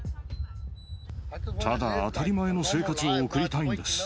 ただ当たり前の生活を送りたいんです。